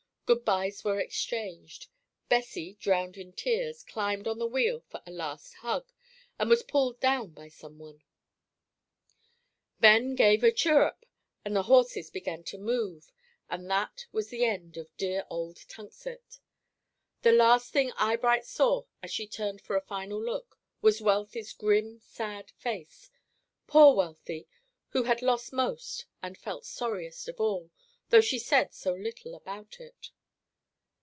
Good bys were exchanged. Bessie, drowned in tears, climbed on the wheel for a last hug, and was pulled down by some one. Ben gave a chirrup, the horses began to move, and that was the end of dear old Tunxet. The last thing Eyebright saw, as she turned for a final look, was Wealthy's grim, sad face, poor Wealthy, who had lost most and felt sorriest of all, though she said so little about it.